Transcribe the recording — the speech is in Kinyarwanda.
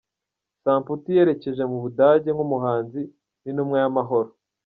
Samputu yerekeje mu Budage nk’umuhanzi n’intumwa y’amahoro